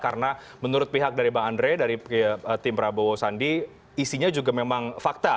karena menurut pihak dari bang andres dari tim prabowo sandi isinya juga memang fakta